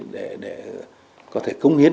để có thể cung cấp